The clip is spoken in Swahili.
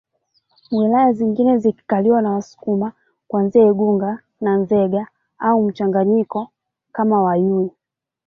wilaya zingine zikikaliwa na Wasukuma kuanzia Igunga na Nzega au mchanganyiko kama Uyui